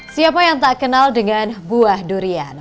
siapa yang tak kenal dengan buah durian